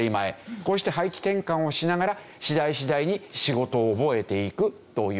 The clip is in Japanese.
こうして配置転換をしながら次第次第に仕事を覚えていくという。